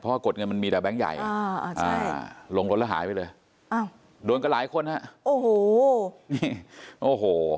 เพราะกดเงินมันมีแต่แบงค์ใหญ่ลงรถแล้วหายไปเลยโดนก็หลายคนฮะโอ้โห